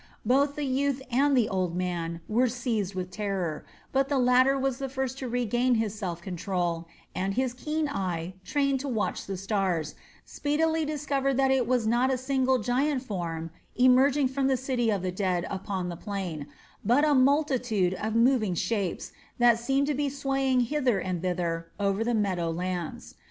Both the youth and the old man had been seized with terror, but the latter was the first to regain his self control, and his keen eye, trained to watch the stars, speedily discovered that it was not a single giant form emerging from the city of the dead upon the plain, but a multitude of moving shapes that seemed to be swaying hither and thither over the meadow lands.